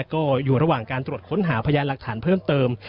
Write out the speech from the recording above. ก็อยู่ระหว่างการตรวจค้นหาพยานหลักฐานเพิ่มเติม